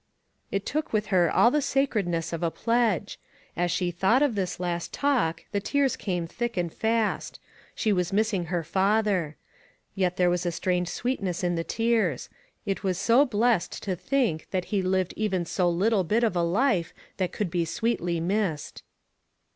It took with her all the sacredness of a pledge. As she thought of this last talk, the tears came thick and fast. She was missing her father. Yet there was a strange sweetness in the tears. It was so blessed to think that he lived even so little bit of a life that could be sweetly missed.